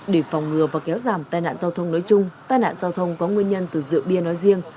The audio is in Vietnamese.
để phòng ngừa và kéo giảm tai nạn giao thông nói chung tai nạn giao thông có nguyên nhân từ rượu bia nói riêng